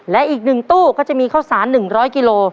และอีกหนึ่งตู้ก็จะมีเข้าสารหนึ่งร้อยกิโล